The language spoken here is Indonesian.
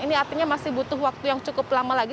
ini artinya masih butuh waktu yang cukup lama lagi